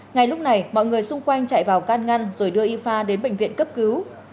ngay lúc này mọi người xung quanh chạy vào can ngăn rồi đưa y khoa đến bệnh viện cấp cứu